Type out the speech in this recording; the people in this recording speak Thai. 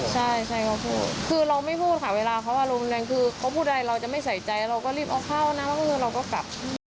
ใช่ใช่เขาพูดคือเราไม่พูดค่ะเวลาเขาอารมณ์แรงคือเขาพูดอะไรเราจะไม่ใส่ใจเราก็รีบเอาเข้านะแล้วก็คือเราก็กลับ